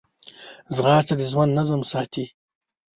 ځغاسته د ژوند نظم ساتي